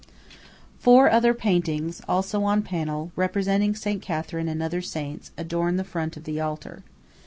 Four other paintings, also on panel, representing Saint Catherine and other saints, adorn the front of the altar.